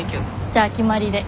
じゃあ決まりで。